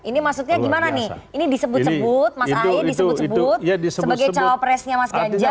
ini maksudnya gimana nih ini disebut sebut mas ae disebut sebut sebagai cawapresnya mas ganjar